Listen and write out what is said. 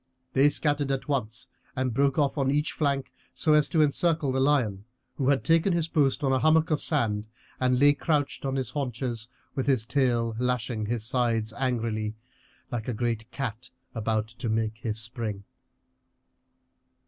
They scattered at once and broke off on each flank so as to encircle the lion, who had taken his post on a hummock of sand and lay couched on his haunches, with his tail lashing his sides angrily, like a great cat about to make his spring.